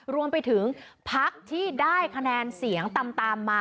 รวมไปถึงพักที่ได้คะแนนเสียงตามมา